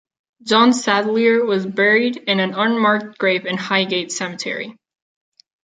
John Sadleir was buried in an unmarked grave in Highgate Cemetery.